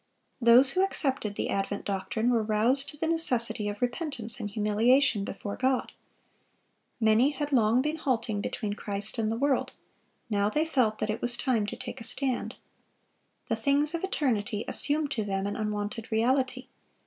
Those who accepted the advent doctrine were roused to the necessity of repentance and humiliation before God. Many had long been halting between Christ and the world; now they felt that it was time to take a stand. "The things of eternity assumed to them an unwonted reality.